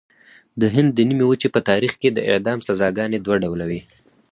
د هند د نیمې وچې په تاریخ کې د اعدام سزاګانې دوه ډوله وې.